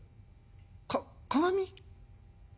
「か鏡？